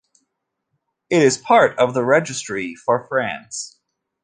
It is part of the registry for France.